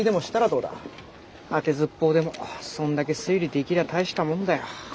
あてずっぽうでもそんだけ推理できりゃ大したもんだよ。